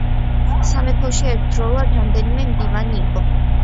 სამეფოში ერთდროულად რამდენიმე მდივანი იყო.